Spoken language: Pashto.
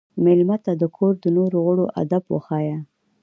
مېلمه ته د کور د نورو غړو ادب وښایه.